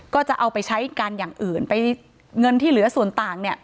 ก็จะเอาไปใช้กันอย่างอื่นไปเงินที่เหลือส่วนต่างเนี่ย